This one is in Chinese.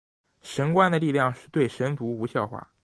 神官的力量对神族无效化。